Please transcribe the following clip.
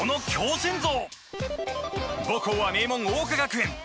母校は名門桜花学園。